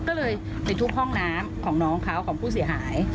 ก็เลยไปทุบห้องน้ำของน้องเขาของผู้เสียหาย